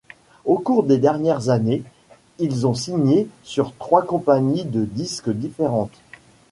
Au cours des dernières années, ils ont signé sur trois compagnies de disque différentes.